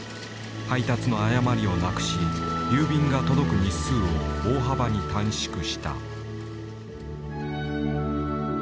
配達の誤りをなくし郵便が届く日数を大幅に短縮した。